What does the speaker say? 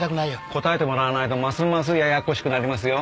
答えてもらわないとますますややこしくなりますよ？